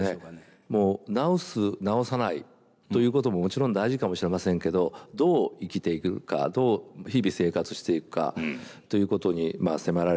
もう治す治さないということももちろん大事かもしれませんけどどう生きていくかどう日々生活していくかということに迫られると思います。